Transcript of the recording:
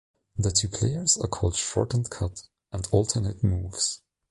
The two players are called "Short" and "Cut", and alternate moves.